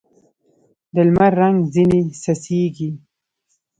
د لمر رنګ ځیني څڅېږي